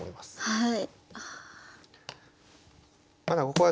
はい。